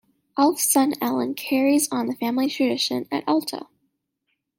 Alf's son Alan carries on the family tradition at Alta.